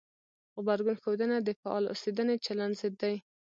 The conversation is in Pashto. غبرګون ښودنه د فعال اوسېدنې چلند ضد دی.